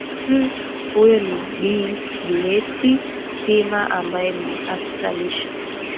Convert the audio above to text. m huyo ni bi juiet sima ambaye ni afisa lishe